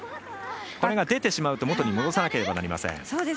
これが出てしまうともとに戻さなければいけません。